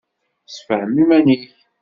Sefhem iman-ik.